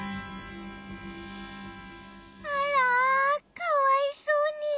あらかわいそうに。